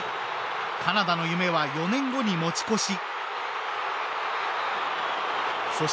カナダの夢は４年後に持ち越し。